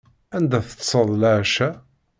Anda teṭṭseḍ leɛca?